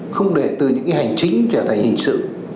không để từ những cái hành chính trở thành hình sự